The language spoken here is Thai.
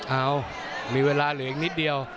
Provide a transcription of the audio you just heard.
เอามีเวลาเหลืออีกนิดเดียว